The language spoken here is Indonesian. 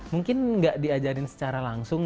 mungkin nggak diajarin secara langsung